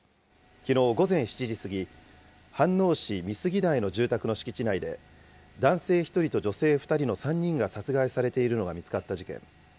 きのう午前７時過ぎ、飯能市美杉台の住宅の敷地内で、男性１人と女性２人の３人が殺害されているのが見つかった事件。